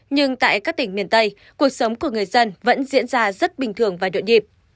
nhưng tại các tỉnh miền tây cuộc sống của người dân vẫn diễn ra rất bình thường và nhộn nhịp